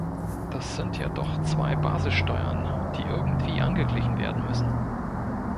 Das sind ja doch zwei Basissteuern, die irgendwie angeglichen werden müssen.